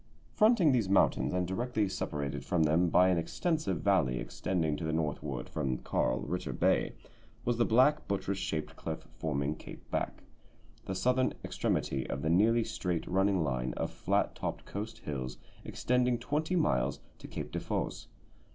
Fronting these mountains, and directly separated from them by an extensive valley extending to the northward from Carl Ritter Bay, was the black buttress shaped cliff forming Cape Back, the southern extremity of the nearly straight running line of flat topped coast hills extending twenty miles to Cape Defosse.